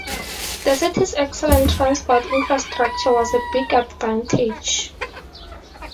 The city's excellent transport infrastructure was a big advantage.